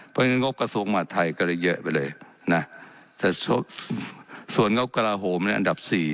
เพราะเงินงบกระทรวงหมัดไทยก็เลยเยอะไปเลยนะส่วนงบกระโหมอันดับ๔เนี่ย